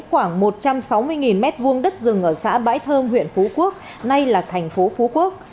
khoảng một trăm sáu mươi m hai đất rừng ở xã bãi thơm huyện phú quốc nay là thành phố phú quốc